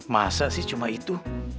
masa sih cuma itu